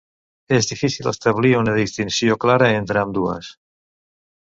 És difícil establir una distinció clara entre ambdues.